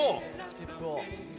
チップを。